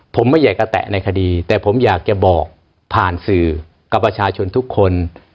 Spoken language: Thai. ผมไม่ใหญ่กระแตะในคดีแต่ผมอยากจะบอกผ่านสื่อกับประชาชนทุกคน